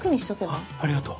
あっありがとう。